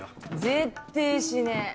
絶対しねえ。